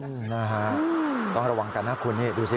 นะฮะต้องระวังกันนะคุณนี่ดูสิ